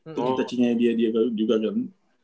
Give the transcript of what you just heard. untuk kita cinyai dia juga kan